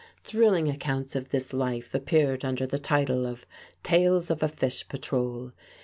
Thrilling accounts of this life appeared under the title of "Tales of a Fish Patrol."